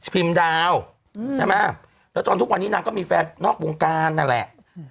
พิมพ์ดาวใช่ไหมแล้วจนทุกวันนี้นางก็มีแฟนนอกวงการนั่นแหละ